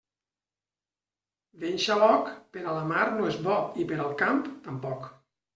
Vent xaloc, per a la mar no és bo i per al camp tampoc.